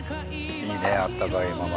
いいねあったかいまま。